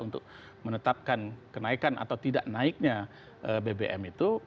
untuk menetapkan kenaikan atau tidak naiknya bbm itu